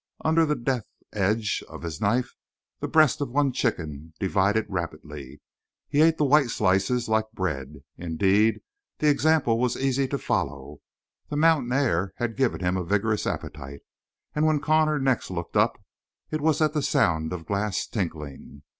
Under the deft edge of his knife the breast of one chicken divided rapidly; he ate the white slices like bread. Indeed, the example was easy to follow; the mountain air had given him a vigorous appetite, and when Connor next looked up it was at the sound of glass tinkling.